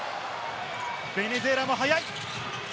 ベネズエラも速い。